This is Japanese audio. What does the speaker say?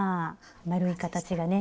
丸い形がね